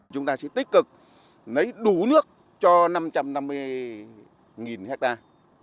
chúng ta sẽ tích cực lấy đủ nước cho năm trăm năm mươi hectare